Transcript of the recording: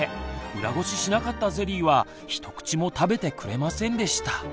裏ごししなかったゼリーはひと口も食べてくれませんでした。